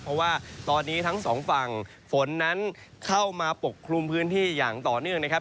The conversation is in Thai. เพราะว่าตอนนี้ทั้งสองฝั่งฝนนั้นเข้ามาปกคลุมพื้นที่อย่างต่อเนื่องนะครับ